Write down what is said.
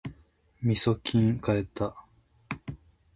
みそきん買えた